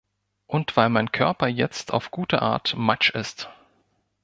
Und weil mein Körper jetzt auf gute Art Matsch ist.